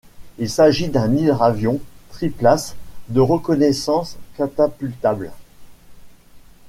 Il s'agit d'un hydravion triplace de reconnaissance catapultable.